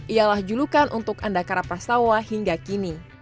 ialah julukan untuk andakara prastawa hingga kini